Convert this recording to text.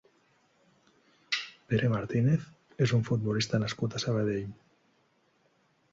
Pere Martínez és un futbolista nascut a Sabadell.